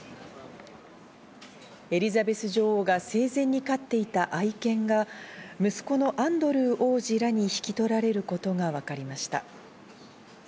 エリザベス女王が生前に飼っていた愛犬が息子のアンドルー王子らに引き取られることが分かりました。